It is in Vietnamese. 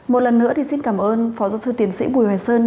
một lần nữa thì xin cảm ơn phó giáo sư tiến sĩ bùi hoài sơn